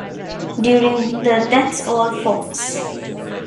During the That's all, Folks!